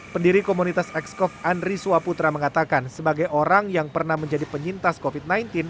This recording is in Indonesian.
pendiri komunitas excov andri swaputra mengatakan sebagai orang yang pernah menjadi penyintas covid sembilan belas